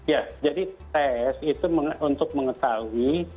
ya jadi tes itu untuk mengetahui